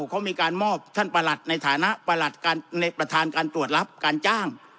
เขามีการมอบท่านประหลัดในฐานะประหลัดประธานการตรวจรับการจ้าง